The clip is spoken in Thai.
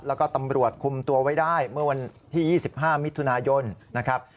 แล้วก็ตำรวจคุมตัวไว้ได้เมื่อวันที่๒๕มิถุนายนนะครับ